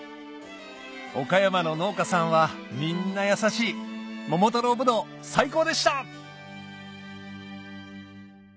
岡山の農家さんはみんな優しい桃太郎ぶどう最高でした！